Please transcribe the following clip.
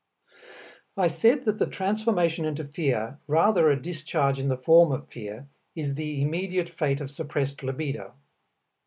I said that the transformation into fear, rather a discharge in the form of fear, is the immediate fate of suppressed libido.